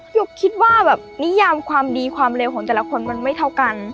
หนูคิดว่าแบบนิยามความดีความเลวของแต่ละคนมันไม่เท่ากัน